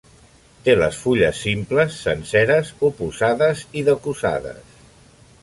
Té les fulles simples, senceres, oposades i decussades.